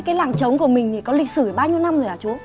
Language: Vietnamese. thế cái làng trống của mình thì có lịch sử bao nhiêu năm rồi hả chú